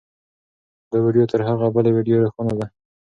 دا ویډیو تر هغې بلې ویډیو روښانه ده.